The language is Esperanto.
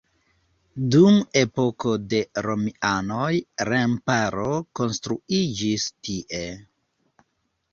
Dum epoko de romianoj remparo konstruiĝis tie.